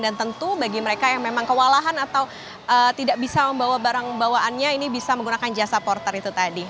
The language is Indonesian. dan tentu bagi mereka yang memang kewalahan atau tidak bisa membawa barang bawaannya ini bisa menggunakan jasa porter itu tadi